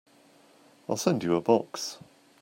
I'll send you a box.